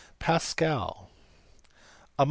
Pascal*.